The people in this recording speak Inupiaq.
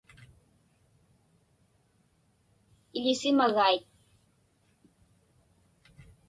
Iḷisimagait.